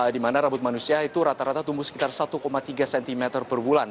di mana rambut manusia itu rata rata tumbuh sekitar satu tiga cm per bulan